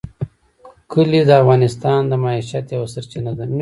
کلي د افغانانو د معیشت یوه سرچینه ده.